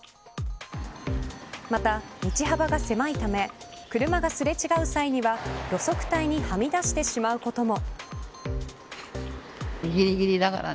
また、道幅が狭いため車が擦れ違う際には路側帯にはみ出してしまうことも。